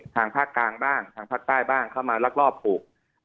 ทางภาคกลางบ้างทางภาคใต้บ้างเข้ามาลักลอบปลูก